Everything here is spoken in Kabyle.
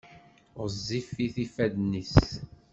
Ɣezzifit yifadden-is.